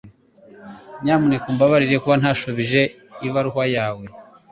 Nyamuneka umbabarire kuba ntashubije ibaruwa yawe